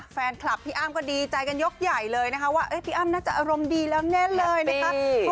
แฟนคลับพี่อ้ำก็ดีใจกันยกใหญ่เลยนะคะว่าพี่อ้ำน่าจะอารมณ์ดีแล้วแน่นเลยนะคะ